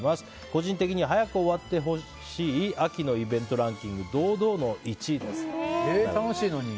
個人的には早く終わってほしい秋のイベントランキング楽しいのに。